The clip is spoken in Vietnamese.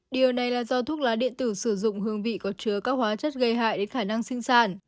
điều này là do thuốc lá điện tử sử dụng hương vị có chứa các hóa chất gây hại đến khả năng sinh sản